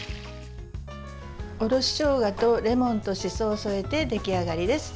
おろししょうがとレモンとしそを添えて出来上がりです。